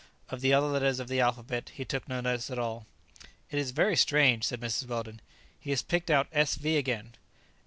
Of the other letters of the alphabet he took no notice at all. "It is very strange," said Mrs. Weldon; "he has picked out S V again."